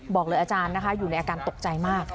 บอกเลยอาจารย์นะคะอยู่ในอาการตกใจมาก